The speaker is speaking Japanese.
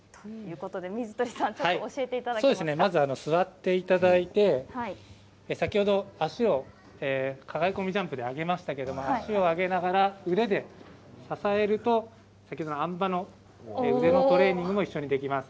座っていただいて先ほど足を抱え込みジャンプで上げましたが足を上げながら腕で支えると先ほどのあん馬の腕のトレーニングも一緒にできます。